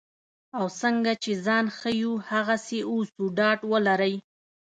او څنګه چې ځان ښیو هغسې اوسو ډاډ ولرئ.